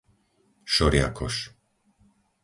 Šoriakoš